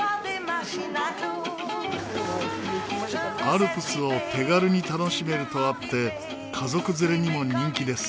アルプスを手軽に楽しめるとあって家族連れにも人気です。